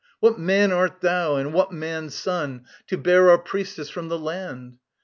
What man art them, and what man's son, to bear Our priestess from the land?"